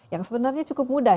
yang sebenarnya cukup mudah